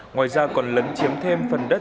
ngoài ra còn lấn chiếm thêm phần đất